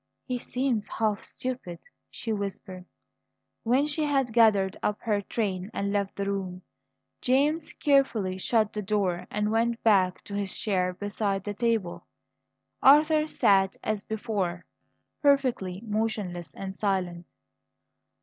"He seems half stupid," she whispered. When she had gathered up her train and left the room, James carefully shut the door and went back to his chair beside the table. Arthur sat as before, perfectly motionless and silent.